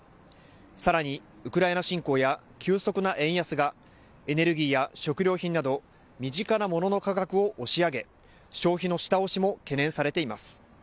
さらにウクライナ侵攻や急速な円安がエネルギーや食料品など身近なモノの価格を押し上げ消費の下押しも懸念されています。